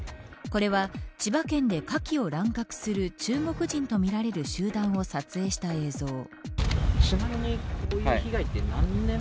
これは、千葉県でカキを乱獲する中国人とみられる集団を撮影した映像。